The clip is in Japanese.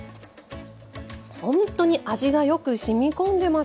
本当に味がよくしみ込んでます。